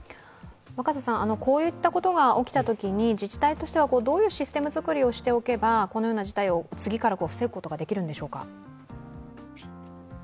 こういったことが起きたときに自治体としてはどういうシステム作りをしておけば、このような事態を次から防ぐことはできるのでしょうか